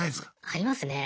ありますね。